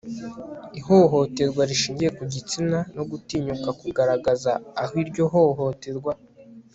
ihohoterwa rishingiye ku gitsina no gutinyuka kugaragaza aho iryo hohoterwa